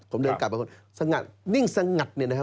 สงัดนิ่งสงัดเนี่ยนะฮะ